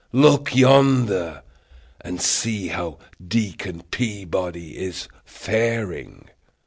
Look yonder, and see how Deacon Peabody is faring."